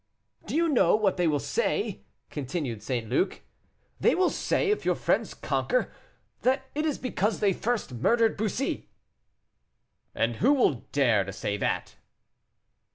"Do you know what they will say?" continued St. Luc. "They will say, if your friends conquer, that it is because they first murdered Bussy." "And who will dare to say that?"